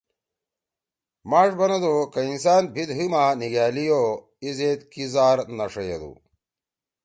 ماݜ بنَدُو: ”کہ اِنسان بھیِد حی ما نیِگھألی او ایزید کی زار نہ ݜَیَدُو۔“